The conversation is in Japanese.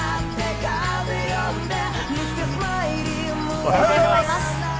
おはようございます。